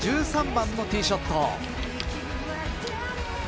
１３番のティーショット。